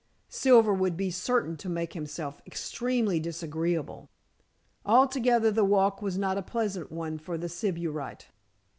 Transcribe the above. Silver would be certain to make himself extremely disagreeable. Altogether the walk was not a pleasant one for the sybarite.